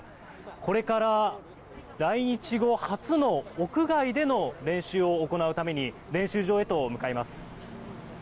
これから、来日後初の屋外での練習を行うために練習場へと向かいます。